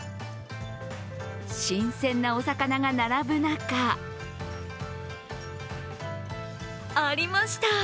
新鮮なお魚が並ぶ中ありました！